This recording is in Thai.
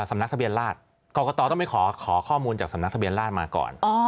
ไม่ใช่กรกตต้องไปขอข้อมูลจากสำนักสะเบียนราชมาก่อน